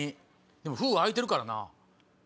でも封開いてるからなぁ。